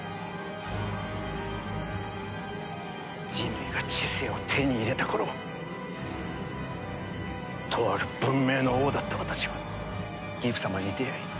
人類が知性を手に入れた頃とある文明の王だった私はギフ様に出会い契約を結んだ。